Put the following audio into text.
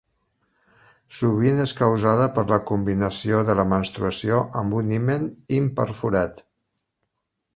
Sovint és causada per la combinació de la menstruació amb un himen imperforat.